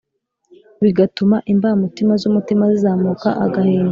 bigatuma imbamutima zumutima zizamuka agahinda